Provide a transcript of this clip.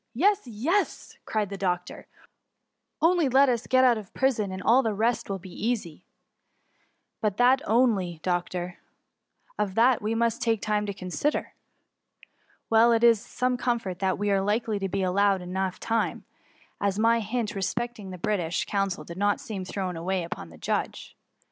*^Yes, yes V^ cried the doctor, " only let us get out of prison, and all the rest will be easy. But that onfyf doctor/' '^ Of that, we must take time to consider.^ ^^ Well, it is some comfort that we are likely tx> be allowed time enough, as my hint respect ing the British consul did not seem thrown away upon the judge.